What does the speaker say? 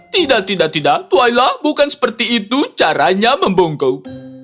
tidak tidak tidak twaila bukan seperti itu caranya membungkuk